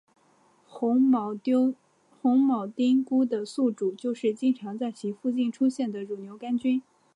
红铆钉菇的宿主就是经常在其附近出现的乳牛肝菌。